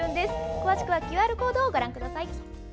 詳しくはＱＲコードをご覧ください。